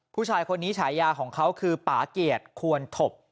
ผู้ชายคนนี้ฉายาของเขาคือป่าเกียรติควรถบ